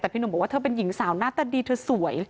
แต่พี่หนุ่มบอกว่าเธอเป็นหญิงสาวหน้าตาดีเธอสวย